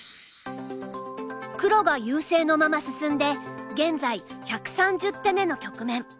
黒が優勢のまま進んで現在１３０手目の局面。